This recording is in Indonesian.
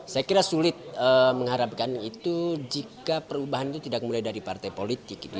saya kira sulit mengharapkan itu jika perubahan itu tidak mulai dari partai politik